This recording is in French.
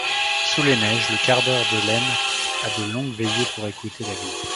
Sous les neiges, le cardeur de laine a de longues veillées pour écouter la Bible.